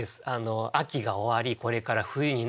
秋が終わりこれから冬になる。